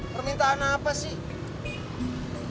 permintaan apa sih